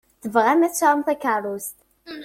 Tembɣam ad tesɛum takeṛṛust.